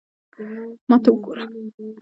ما ته وګوره